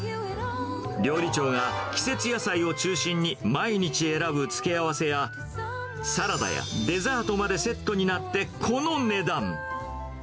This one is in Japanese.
料理長が季節野菜を中心に毎日選ぶ付け合わせや、サラダやデザートまでセットになってこの値段。